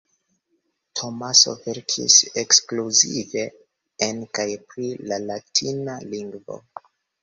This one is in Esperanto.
Tomaso verkis ekskluzive en kaj pri la latina lingvo.